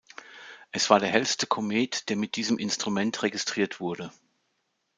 Es war der hellste Komet, der mit diesem Instrument registriert wurde.